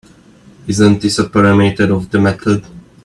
Isn’t this a parameter of the method?